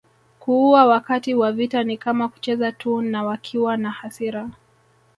Kuua wakati wa vita ni kama kucheza tu na wakiwa na hasira